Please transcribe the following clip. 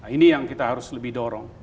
ini yang kita harus lebih dorong